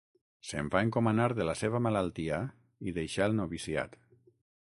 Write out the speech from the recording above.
Se'n va encomanar de la malaltia i deixà el noviciat.